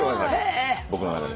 僕の中で。